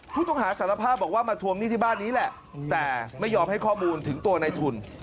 ผู้ต้องหาสารภาพบอกว่ามาทวงหนี้ที่บ้านนี้แหละแต่ไม่ยอมให้ข้อมูลถึงตัวในทุน